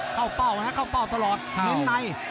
เข้าเป้านะเข้าเป้าตลอดเน้นไหน